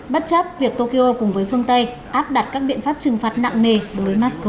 bất chấp việc tokyo cùng với phương tây áp đặt các biện pháp trừng phạt nặng nề đối với mosco